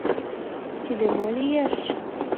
Тиде мо лиеш?